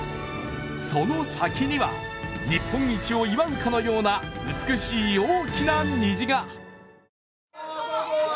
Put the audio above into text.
その先には、日本一を祝うかのような美しい大きな虹が。